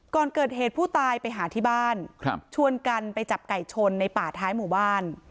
ก่อนเกิดเหตุผู้ตายไปหาที่บ้านชวนกันไปจับไก่ชนในป่าท้ายหมู่บ้าน